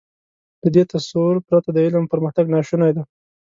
له دې تصور پرته د علم پرمختګ ناشونی دی.